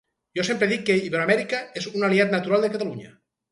Jo sempre dic que Iberoamèrica és un aliat natural de Catalunya.